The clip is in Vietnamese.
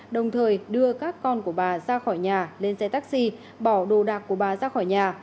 đồng thời đưa các con của bà ra khỏi nhà lên xe taxi bỏ đồ đạc của bà ra khỏi nhà